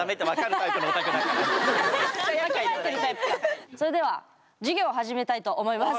ちゃんとそれでは授業を始めたいと思います。